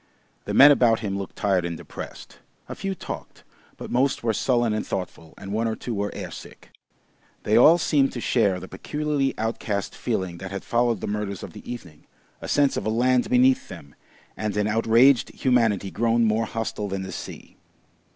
The men about him looked tired and depressed; a few talked, but most were sullen and thoughtful, and one or two were air sick. They all seemed to share the peculiarly outcast feeling that had followed the murders of the evening, a sense of a land beneath them, and an outraged humanity grown more hostile than the Sea.